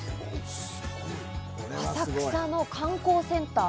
浅草の観光センター。